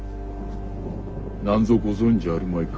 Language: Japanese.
なんぞご存じあるまいか？